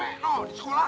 ameno di sekolah